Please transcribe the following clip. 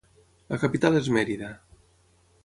La capital és Mérida.